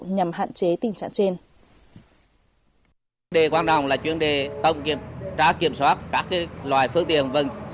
nhằm hạn chế tình trạng trên